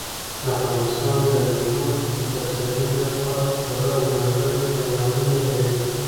افغانستان د مېوو د ترویج لپاره پوره او ځانګړي پروګرامونه لري.